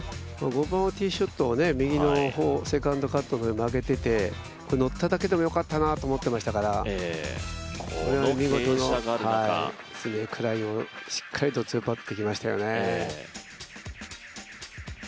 ティーショットを右のセカンドカットで曲げててこれ、のっただけでもよかったなと思ってましたから見事なスネークラインをしっかりと２パットでいきましたよね。